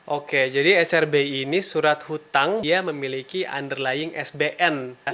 oke jadi srbi ini surat hutang dia memiliki underlying sbn